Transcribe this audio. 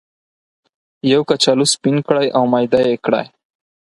یو کچالو سپین کړئ او میده یې کړئ.